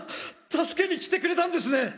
助けに来てくれたんですね！